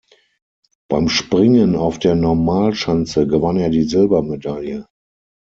Beim Springen auf der Normalschanze gewann er die Silbermedaille.